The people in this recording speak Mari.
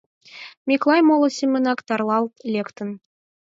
Миклай моло семынак тарлалт лектын.